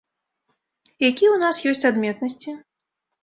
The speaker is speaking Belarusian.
Якія ў нас ёсць адметнасці?